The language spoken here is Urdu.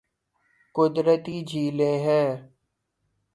قدرتی جھیلیں ہیں